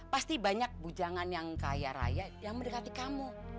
pasti banyak bujangan yang kaya raya yang mendekati kamu